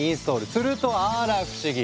するとあら不思議！